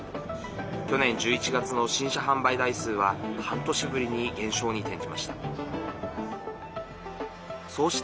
去年１１月の新車販売台数は半年ぶりに減少に転じました。